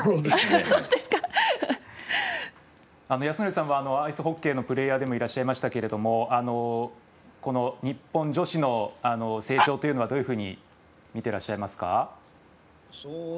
泰則さんはアイスホッケーのプレーヤーでもありましたけど日本女子の成長というのはどういうふうに見ていらっしゃいますか？